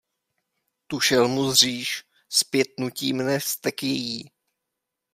Tu šelmu zříš, zpět nutí mne vztek její.